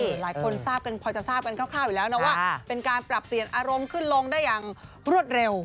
หลายคนทราบกันพอจะทราบกันคร่าวอยู่แล้วนะว่าเป็นการปรับเปลี่ยนอารมณ์ขึ้นลงได้อย่างรวดเร็ว